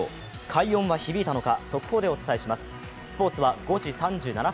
快音は響いたのか、速報でお伝えします。